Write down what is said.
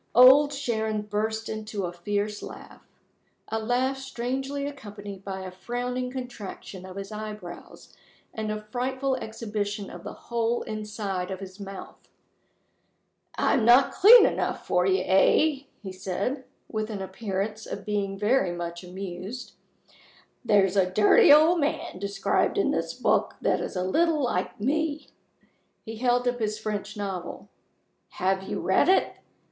Old Sharon burst into a fierce laugh a laugh strangely accompanied by a frowning contraction of his eyebrows, and a frightful exhibition of the whole inside of his mouth. "I'm not clean enough for you eh?" he said, with an appearance of being very much amused. "There's a dirty old man described in this book that is a little like me." He held up his French novel. "Have you read it?